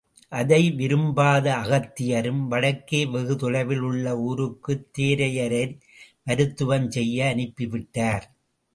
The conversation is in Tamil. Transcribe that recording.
அதை விரும்பாத அகத்தியரும், வடக்கே வெகு தொலைவில் உள்ள ஊருக்குத் தேரையரை மருத்துவம் செய்ய அனுப்பி விட்டார்.